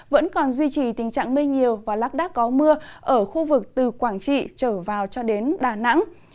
vẫn còn duy trì tình trạng mây nhiều và lác đác có mưa ở khu vực từ quảng trị trở vào cho đến đà nẵng